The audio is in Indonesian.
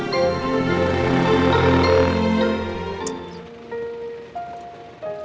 yang ini mau hujan